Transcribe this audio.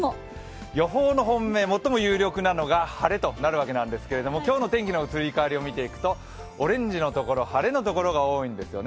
予報の本命、最も有力なのが晴れとなるわけですが、今日の天気の移り変わりを見ていきますとオレンジのところ、晴れのところが多いんですよね。